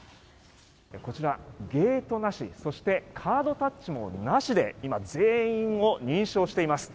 こちら、ゲートなしそしてカードタッチもなしで今、全員を認証しています。